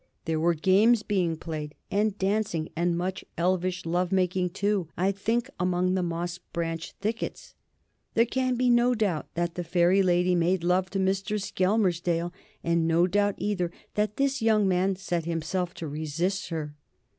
There were games being played and dancing and much elvish love making, too, I think, among the moss branch thickets. There can be no doubt that the Fairy Lady made love to Mr. Skelmersdale, and no doubt either that this young man set himself to resist her.